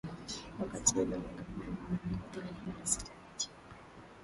wakati ule wa magavana wa majimbo thelathini na sita ya nchi hiyo